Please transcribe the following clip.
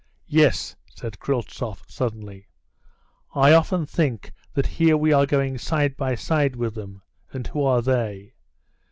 "Yes," said Kryltzoff suddenly, "I often think that here we are going side by side with them, and who are they?